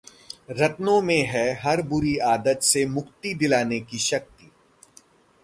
रत्नों में है हर बुरी आदत से मुक्ति दिलाने की शक्ति